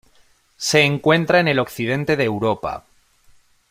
Se encuentra en el occidente de Europa.